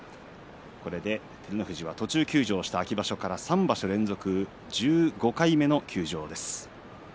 これで照ノ富士が途中休場した秋場所から３場所連続１５回目の休場です。